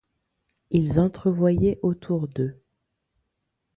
Ils entrevoyaient autour d’eux